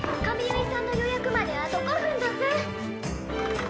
髪結いさんの予約まであと５分どす！